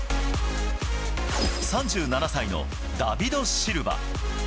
３７歳のダビド・シルバ。